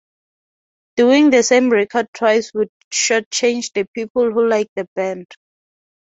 Doing the same record twice would short change the people who like the band.